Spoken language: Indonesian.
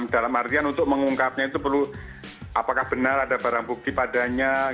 dalam artian untuk mengungkapnya itu perlu apakah benar ada barang bukti padanya